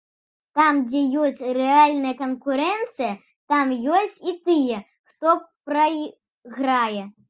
Там, дзе ёсць рэальная канкурэнцыя, там ёсць і тыя, хто прайграе.